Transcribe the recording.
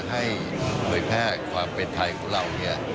เผยแพร่ความเป็นไทยของเราเนี่ย